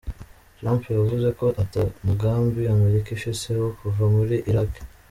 Trump yavuze ko ata mugambi Amerika ifise wo kuva muri Irak.